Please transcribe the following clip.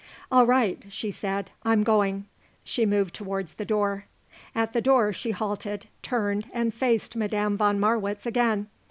"All right," she said, "I'm going." She moved towards the door. At the door she halted, turned and faced Madame von Marwitz again.